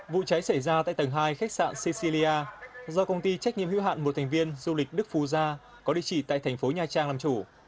vụ cháy xảy ra tại tầng hai khách sạn cesilia do công ty trách nhiệm hữu hạn một thành viên du lịch đức phù gia có địa chỉ tại thành phố nha trang làm chủ